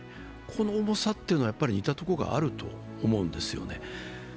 この重さというのは似たところがあると思うんですよね。